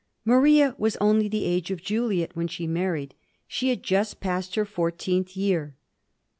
Maria was only the age of Juliet when she married ; she had just passed her fourteenth year.